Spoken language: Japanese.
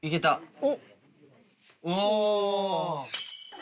お！